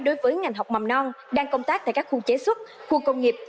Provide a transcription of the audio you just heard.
đối với ngành học mầm non đang công tác tại các khu chế xuất khu công nghiệp